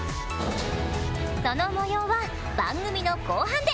その模様は番組の後半で。